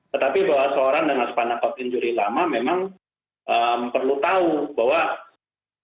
tetapi bahwa seorang dengan spanduk injury lama memang perlu tahu bahwa